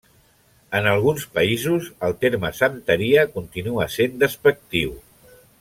En alguns països, el terme santeria continua sent despectiu.